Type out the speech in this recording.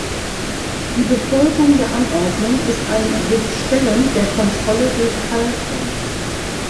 Die Befolgung der Anordnung ist ein Sich-Stellen der Kontrolle durch Halten.